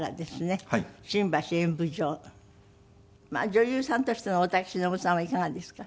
女優さんとしての大竹しのぶさんはいかがですか？